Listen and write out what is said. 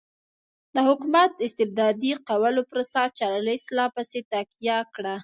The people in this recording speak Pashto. د حکومت استبدادي کولو پروسه چارلېس لا پسې تقویه کړه.